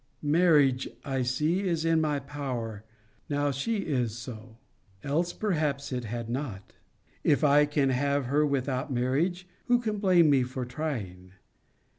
Marriage, I see, is in my power, now she is so. Else perhaps it had not. If I can have her without marriage, who can blame me for trying?